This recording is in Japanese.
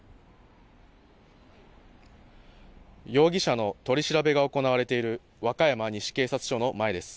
容疑者の取り調べが行われている和歌山西警察署の前です。